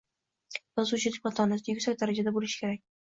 Yozuvchining matonati yuksak darajada boʻlishi kerak